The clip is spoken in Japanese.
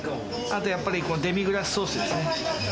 あとやっぱり、デミグラスソースですね。